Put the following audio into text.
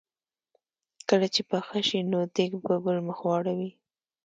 کله چې پخه شي نو دیګ په بل مخ واړوي.